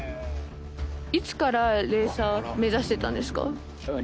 いつからレーサー目指してたんですか？